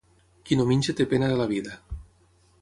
Qui no menja té pena de la vida.